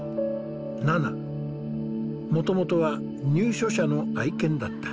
もともとは入所者の愛犬だった。